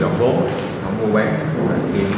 góp vốn không mua bán